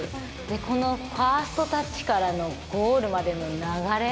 このファーストタッチからのゴールまでの流れ。